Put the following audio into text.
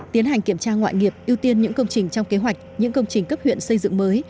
tiến hành kiểm tra ngoại nghiệp ưu tiên những công trình trong kế hoạch những công trình cấp huyện xây dựng mới